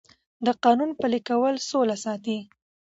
د قانون پلي کول سوله ساتي